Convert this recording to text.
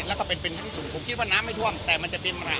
แล้วก็เป็นทั้งสูงผมถือว่าน้ำไม่ท่วมแต่มันจะเป็นปัญหา